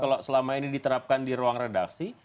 kalau selama ini diterapkan di ruang redaksi